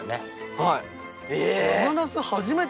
はい。